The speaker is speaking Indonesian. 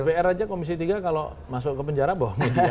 dpr aja komisi tiga kalau masuk ke penjara bahwa media